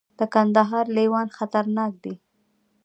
د کندهار لیوان خطرناک دي